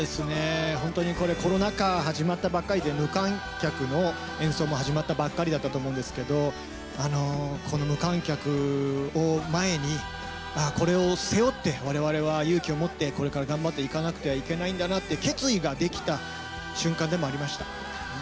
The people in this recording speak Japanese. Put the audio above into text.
これコロナ禍が始まったばかりで無観客の演奏も始まったばかりだったと思うんですけどこの無観客を前にこれを背負ってわれわれは勇気を持ってこれから頑張っていかなくてはいけないんだなという決意ができた瞬間でもありました。